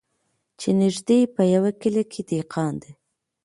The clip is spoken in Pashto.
چي نیژدې په یوه کلي کي دهقان دی